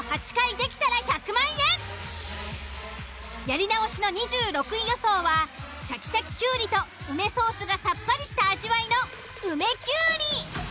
やり直しの２６位予想はシャキシャキきゅうりと梅ソースがさっぱりした味わいの梅きゅうり。